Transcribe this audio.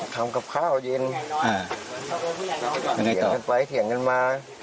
เขากินมาพันวันนี้นะฮะ